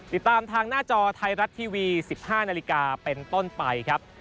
ติดตามทางหน้าจอไทยรัฐทีวี๑๕นาฬิกาเป็นต้นไปครับ